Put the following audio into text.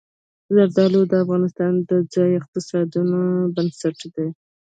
زردالو د افغانستان د ځایي اقتصادونو بنسټ دی.